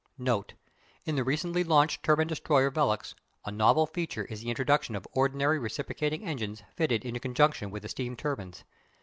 Note. In the recently launched turbine destroyer Velox a novel feature is the introduction of ordinary reciprocating engines fitted in conjunction with the steam turbines.